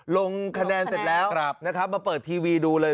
ลงคะแนนเสร็จแล้วนะครับมาเปิดทีวีดูเลย